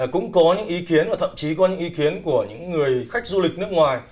cũng có những ý kiến và thậm chí có những ý kiến của những người khách du lịch nước ngoài